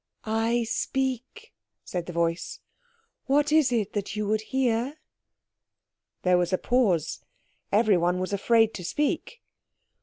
"I speak," said the voice. "What is it that you would hear?" There was a pause. Everyone was afraid to speak.